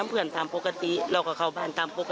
ยังเชื่อว่าลูกมีชีวิตอยู่และอยากให้ปฏิหารเกิดขึ้นค่ะ